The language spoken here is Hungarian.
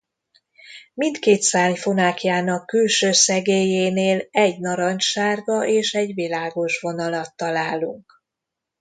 Mindkét szárny fonákjának külső szegélyénél egy narancssárga és egy világos vonalat találunk.